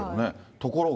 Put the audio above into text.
ところが。